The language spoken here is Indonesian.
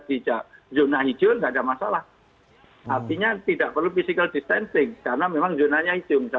di zona hijau enggak ada masalah artinya tidak perlu physical distancing karena memang zonanya